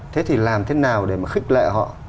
thế thì làm thế nào để mà khích lệ họ